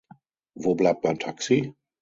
Wo bleibt mein Taxi?